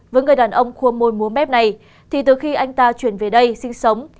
với người đàn ông khuôn môi múa mép này thì từ khi anh ta chuyển về đây sinh sống